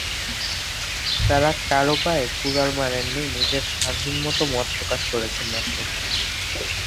তাঁরা কারও পায়ে কুড়াল মারেননি; নিজের স্বাধীন মত প্রকাশ করেছেন মাত্র।